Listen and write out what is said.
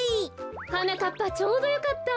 はなかっぱちょうどよかった。